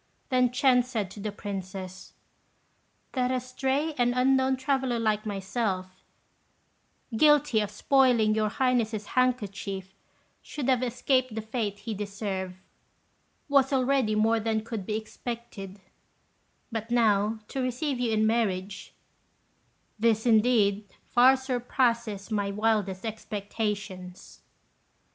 Then Ch'ên said to the Princess, "That a stray and unknown traveller like myself, guilty of spoiling your Highness's handkerchief, should have escaped the fate he deserved, was already more than could be expected; but now to receive you in marriage this, indeed, far surpasses my wildest expectations."